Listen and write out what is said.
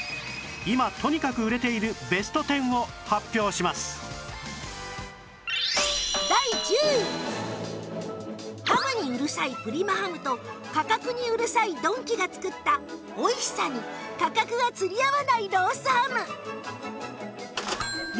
今とにかく売れているハムにうるさいプリマハムと価格にうるさいドンキがつくったおいしさに価格が釣り合わないロースハム